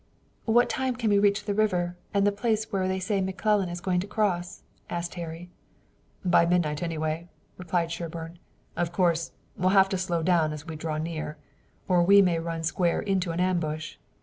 "What time can we reach the river and the place at which they say McClellan is going to cross?" asked Harry. "By midnight anyway," replied Sherburne. "Of course, we'll have to slow down as we draw near, or we may run square into an ambush.